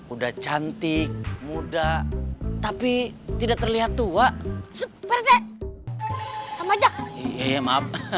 udah cantik muda tapi tidak terlihat tua